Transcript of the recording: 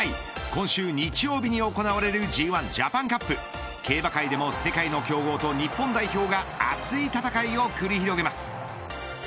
今週日曜日に行われるＧ１ジャパンカップ競馬界でも世界の強豪と日本代表が熱い戦いを繰り広げます。